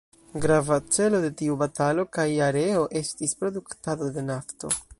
Grava celo de tiu batalo kaj areo estis produktado de nafto.